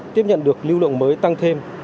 tiếp nhận được lưu lượng mới tăng thêm